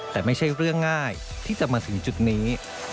แต่ไม่ใช่เรื่องง่ายที่จะมาถึงจุดนี้